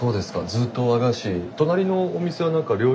ずっと和菓子。